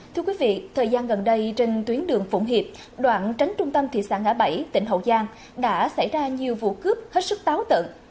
thưa quý vị thời gian gần đây trên tuyến đường phụng hiệp đoạn tránh trung tâm thị xã ngã bảy tỉnh hậu giang đã xảy ra nhiều vụ cướp hết sức táo tận